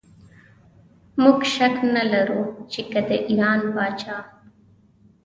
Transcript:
موږ شک نه لرو چې که د ایران پاچا.